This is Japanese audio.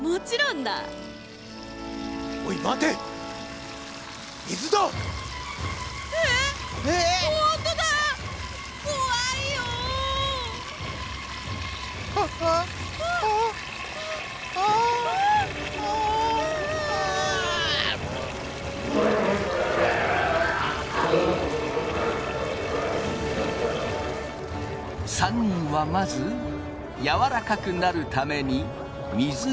３人はまずやわらかくなるために水につけられた。